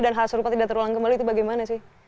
dan hal serupa tidak terulang kembali itu bagaimana sih